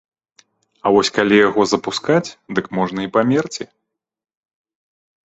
А вось калі яго запускаць, дык можна і памерці.